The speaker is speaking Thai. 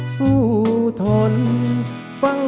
สู้ทน